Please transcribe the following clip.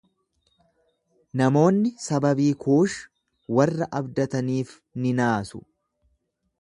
Namoonni sababii Kuush warra abdataniif ni naasu.